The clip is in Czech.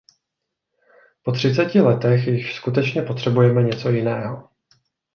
Po třiceti letech již skutečně potřebujeme něco jiného.